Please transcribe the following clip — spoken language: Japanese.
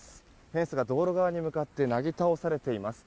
フェンスが道路側に向かってなぎ倒されています。